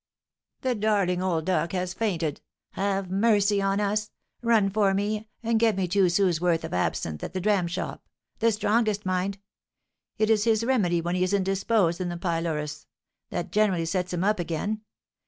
"The darling old duck has fainted. Have mercy on us! Run for me, and get me two sous' worth of absinthe at the dram shop, the strongest, mind; it is his remedy when he is indisposed in the pylorus, that generally sets him up again.